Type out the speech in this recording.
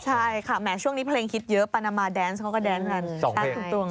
ใช่ค่ะแหมช่วงนี้เพลงฮิตเยอะปานามาแดนส์เขาก็แดนกันตรง